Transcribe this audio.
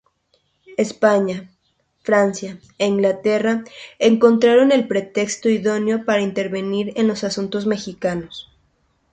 España, Francia e Inglaterra encontraron el pretexto idóneo para intervenir en los asuntos mexicanos.